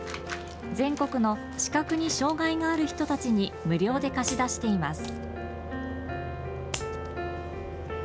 全国の視覚に障害がある人たちに無料で貸し出しています。